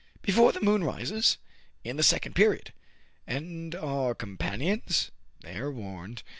" Before the moon rises ?*'*' In the second period." "And our companions }"" They are warned."